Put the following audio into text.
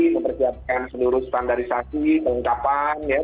mempersiapkan seluruh standarisasi kelengkapan ya